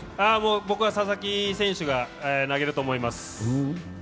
僕は佐々木選手が投げると思います。